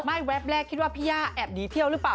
แวบแรกคิดว่าพี่ย่าแอบหนีเที่ยวหรือเปล่า